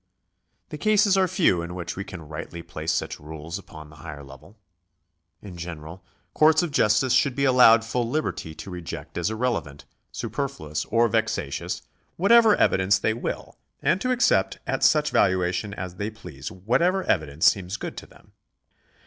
The cases are few in which we can rightly place such rules upon the higher level. In general, courts of justice should be allowed full liberty to reject as irrelevant, superfluous, or vexatious, whatever evidence they will, and to accept at such valuation as they please whatever evidence seems good to them.